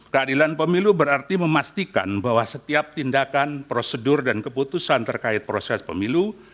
keadilan pemilu berarti memastikan bahwa setiap tindakan prosedur dan keputusan terkait proses pemilu